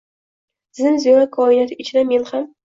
Zim-ziyo koinot ichinda men ham –